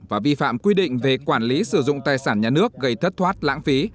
và vi phạm quy định về quản lý sử dụng tài sản nhà nước gây thất thoát lãng phí